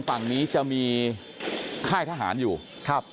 คุณภูริพัฒน์บุญนิน